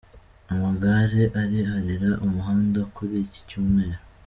Amagare ariharira umuhanda kuri iki Cyumweru